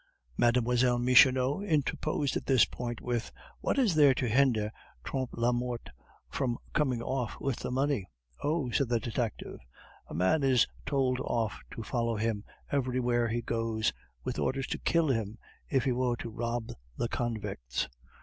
Mlle. Michonneau interposed at this point with, "What is there to hinder Trompe la Mort from making off with the money?" "Oh!" said the detective, "a man is told off to follow him everywhere he goes, with orders to kill him if he were to rob the convicts.